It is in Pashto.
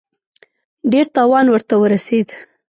ډېر تاوان ورته ورسېد.